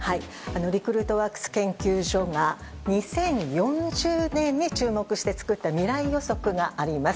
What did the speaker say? リクルートワークス研究所が２０４０年に注目して作った未来予測があります。